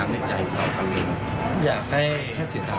ฟังเสียงคุณแฮกและคุณจิ้มค่ะ